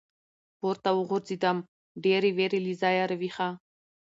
پـورتـه وغورځـېدم ، ډېـرې وېـرې له ځايـه راويـښه.